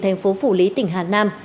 thành phố phủ lý tỉnh hà nam